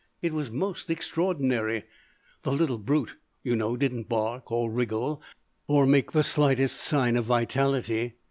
It was most extraordinary. The little brute, you know, didn't bark or wriggle or make the slightest sign of vitality.